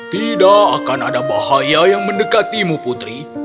tidak akan ada bahaya yang mendekatimu putri